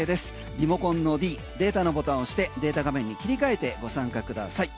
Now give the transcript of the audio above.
リモコンのｄデータのボタンを押してデータ画面に切り替えてご参加ください。